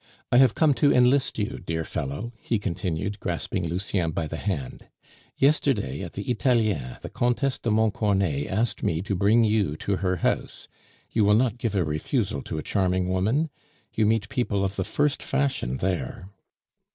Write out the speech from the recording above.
"I have come to enlist you, dear fellow," he continued, grasping Lucien by the hand. "Yesterday, at the Italiens, the Comtesse de Montcornet asked me to bring you to her house. You will not give a refusal to a charming woman? You meet people of the first fashion there."